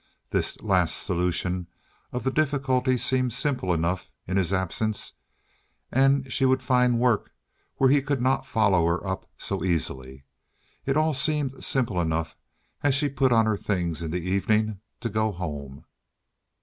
This last solution of the difficulty seemed simple enough—in his absence. And she would find work where he could not follow her up so easily. It all seemed simple enough as she put on her things in the evening to go home.